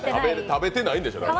食べてないんでしょ、だから！